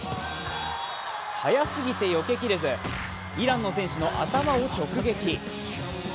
はやすぎてよけきれず、イランの選手の頭を直撃。